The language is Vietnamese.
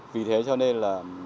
vì thế cho nên là